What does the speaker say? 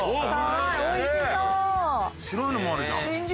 白いのもあるじゃん。